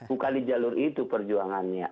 bukan di jalur itu perjuangannya